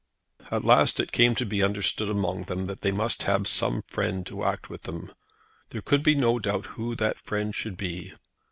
At last it came to be understood among them that they must have some friend to act with them. There could be no doubt who that friend should be.